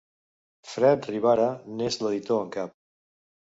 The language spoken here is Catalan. Fred Rivara n'és l'editor en cap.